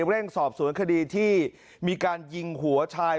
เร่งสอบสวนคดีที่มีการยิงหัวชาย